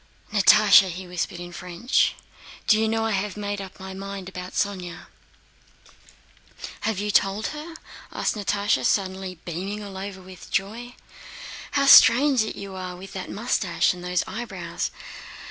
"Natásha!" he whispered in French, "do you know I have made up my mind about Sónya?" "Have you told her?" asked Natásha, suddenly beaming all over with joy. "Oh, how strange you are with that mustache and those eyebrows!...